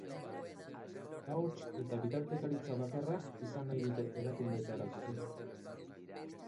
Ahots eta bitartekaritza bakarra izan nahi dute erakundeetara zuzentzeko.